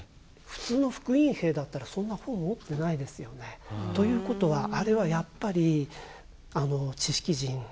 普通の復員兵だったらそんな本持ってないですよね。ということはあれはやっぱり知識人なのかなと思うんですね。